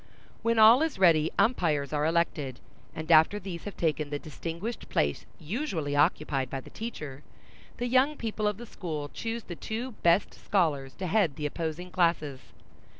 When all is ready, umpires are elected, and after these have taken the distinguished place usually occupied by the teacher, the young people of the school choose the two best scholars to head the opposing classes.